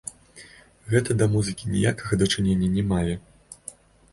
Гэта да музыкі ніякага дачынення не мае!